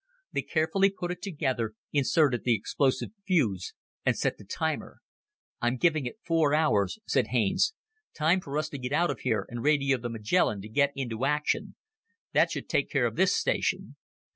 They carefully put it together, inserted the explosive fuse, and set the timer. "I'm giving it four hours," said Haines. "Time for us to get out of here and radio the Magellan to get into action. That should take care of this station."